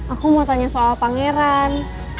aku mau tanya soal pangeran